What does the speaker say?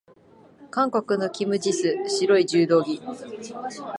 韓国のキム・ジス、白い柔道着。